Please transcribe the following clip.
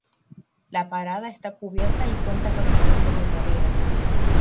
La parada está cubierta y cuenta con asientos de madera.